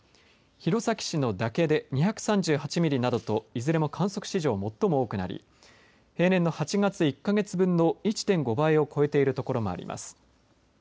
弘前市の岳で２３８ミリなどといずれも観測史上最も多くなり平年の８月１か月分の１．５倍を超えている所もあります。